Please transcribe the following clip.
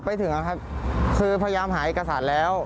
ไปถึงครับคือพยายามหาเอกสารแล้ว